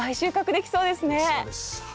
できそうですはい。